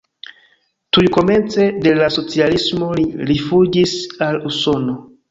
Tuj komence de la socialismo li rifuĝis al Usono.